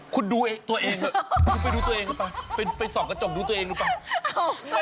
คุณดูตัวเองดูไปไปดูตัวเองดูไปไปสอบกระจงดูตัวเองดูเปล่า